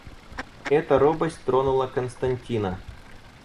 Эта робость тронула Константина.